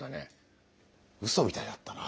うそみたいだったな。